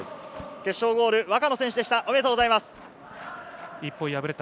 決勝ゴールの若野選手でした。